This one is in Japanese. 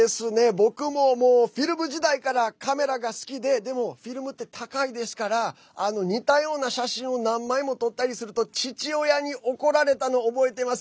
僕もフィルム時代からカメラが好きででもフィルムって高いですから似たような写真を何枚も撮ったりすると父親に怒られたの覚えてます。